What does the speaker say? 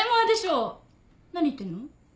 何言ってんの？